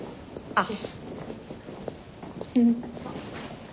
あっ。